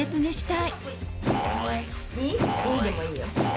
「イー」でもいいよ。